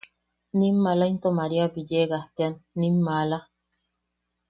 Nim maala into Maria Villegas tean, nim maala.